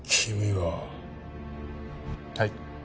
はい？